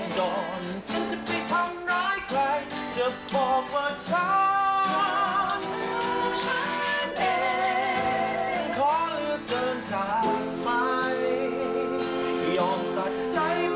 ได้พบคนที่ใช้เมื่อฉันจะต้องเสียใจ